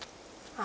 あ。